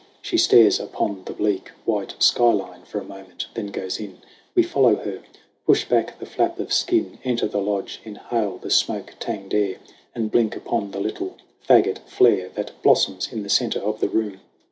She stares upon the bleak, White skyline for a moment, then goes in. We follow her, push back the flap of skin, Enter the lodge, inhale the smoke tanged air And blink upon the little faggot flare That blossoms in the center of the room.